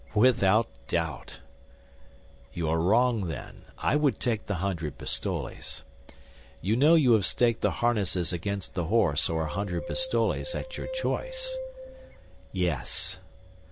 "Without doubt." "You are wrong, then. I would take the hundred pistoles. You know you have staked the harnesses against the horse or a hundred pistoles, at your choice." "Yes."